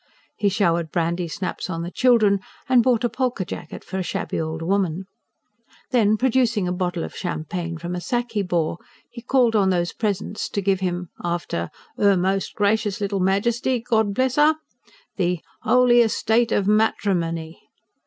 He showered brandy snaps on the children, and bought a polka jacket for a shabby old woman. Then, producing a bottle of champagne from a sack he bore, he called on those present to give him, after: "'Er most Gracious little Majesty, God bless 'er!" the: "'Oly estate of materimony!"